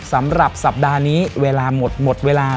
สำหรับสัปดาห์นี้เวลาหมดหมดเวลา